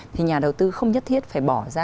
thì nhà đầu tư không nhất thiết phải bỏ ra